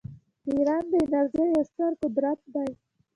ایران د انرژۍ یو ستر قدرت دی.